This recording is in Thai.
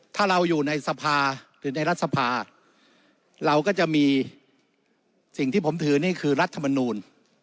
ถ้าเราอยู่ในสภาหรือในรัฐสภาเราก็จะมีสิ่งที่ผมถือนี่คือรัฐมนูล